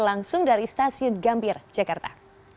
langsung dari stasiun gambir jakarta